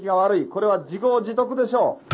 これは自業自得でしょう。